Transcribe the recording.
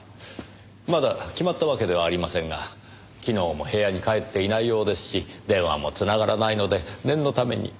まだ決まったわけではありませんが昨日も部屋に帰っていないようですし電話も繋がらないので念のために。